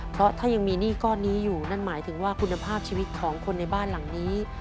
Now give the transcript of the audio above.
เพราะถ้ายังมีหนี้ก้อนนี้อยู่นั่นหมายถึงว่าคุณภาพชีวิตของคนในบ้านหลังนี้